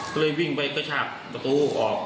ไม่มาด้วยกันมาคนเดียว